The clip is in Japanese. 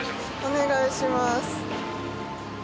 お願いします